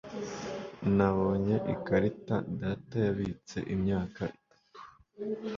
nabonye ikarita data yabitse imyaka itatu